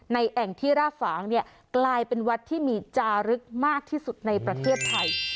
แอ่งที่ราบฝางเนี่ยกลายเป็นวัดที่มีจารึกมากที่สุดในประเทศไทย